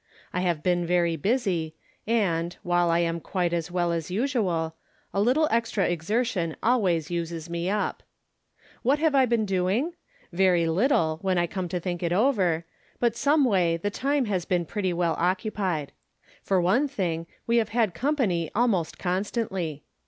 I have been very busy, and, while I am quite as well as usual, a little extra exertion alwa5"s uses me up. What have I been doing ? Very little, when I come to think it over, but someway the tvne has been pretty well occupied. For one thing, we have had company almost constantly.